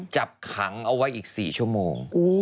จับขังเอาไว้อีก๔ชั่วโมง